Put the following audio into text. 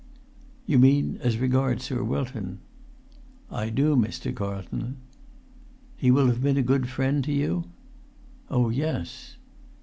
"You mean as regards Sir Wilton?" "I do, Mr. Carlton." "He will have been a good friend to you?" "Oh, yes."